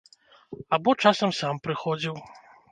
Або часам сам прыходзіў.